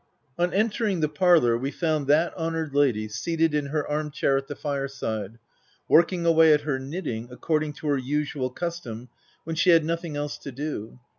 On entering the parlour, we found that ho noured lady seated in her arm chair at the fire OF WILDFELL HALL. V side, working away at her knitting, according to her usual custom, when she had nothing else to do.